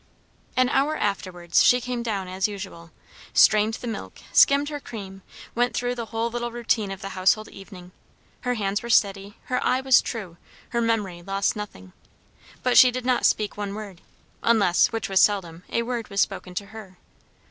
An hour afterwards she came down as usual, strained the milk, skimmed her cream, went through the whole little routine of the household evening; her hands were steady, her eye was true, her memory lost nothing. But she did not speak one word, unless, which was seldom, a word was spoken to her.